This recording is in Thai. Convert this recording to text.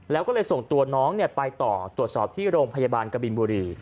แล้วก็เลยส่งตัวน้องไปต่อตรวจสอบที่โรงพยาบาลกบินบุรี